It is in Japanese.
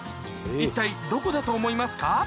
一体どこだと思いますか？